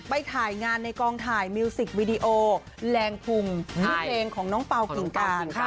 ไปถ่ายงานในกองถ่ายมิวสิกวีดีโอแรงพุงที่เพลงของน้องเปล่ากิ่งการ